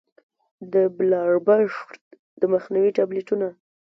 د بلاربښت د مخنيوي ټابليټونه